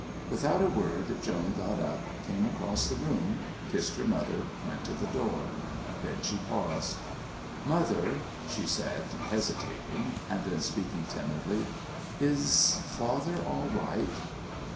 Without a word Joan got up, came across the room, kissed her mother, went to the door. Then she paused. "Mother," she said, hesitating, and then speaking timidly, "is father all right?"